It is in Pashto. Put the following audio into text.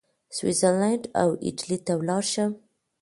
سویس زرلینډ او ایټالیې ته ولاړ شم.